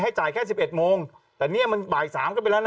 ให้จ่ายแค่๑๑โมงแต่เนี่ยมันบ่าย๓ก็ไปแล้วนะ